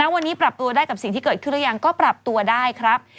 วันนี้ปรับตัวได้กับสิ่งที่เกิดขึ้นหรือยังก็ปรับตัวได้ครับ